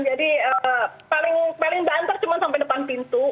jadi paling paling bantar cuma sampai depan pintu